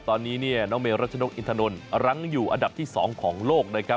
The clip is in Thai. ตอนนี้เนี่ยน้องเมรัชนกอินทนนทรังอยู่อันดับที่๒ของโลกนะครับ